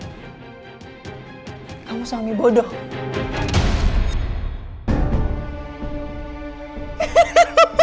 kamu suami bodoh